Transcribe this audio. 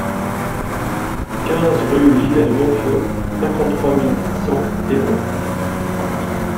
quinze rue Livet de Monfeu, cinquante-trois mille six cents Évron